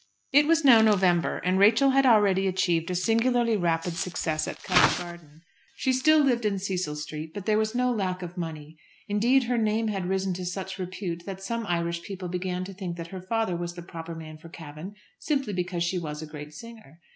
It was now November, and Rachel had already achieved a singularly rapid success at Covent Garden. She still lived in Cecil Street, but there was no lack of money. Indeed, her name had risen into such repute that some Irish people began to think that her father was the proper man for Cavan, simply because she was a great singer.